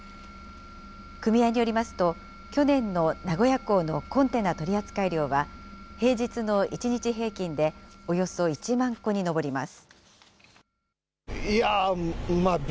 組合によりますと、去年の名古屋港のコンテナ取り扱い量は、平日の１日平均でおよそ１万個に上ります。